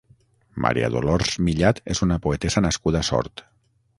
Maria Dolors Millat és una poetessa nascuda a Sort.